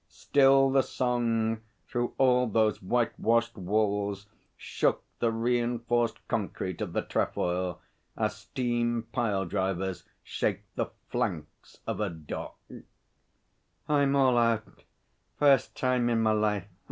Still the song, through all those white washed walls, shook the reinforced concrete of the Trefoil as steam pile drivers shake the flanks of a dock. 'I'm all out first time in my life.